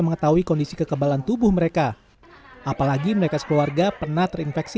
mengetahui kondisi kekebalan tubuh mereka apalagi mereka sekeluarga pernah terinfeksi